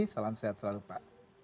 salam sehat selalu pak